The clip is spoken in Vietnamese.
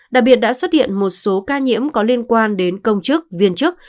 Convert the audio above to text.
đặc biệt đã xuất hiện một số ca nhiễm có liên quan đến công chức viên chức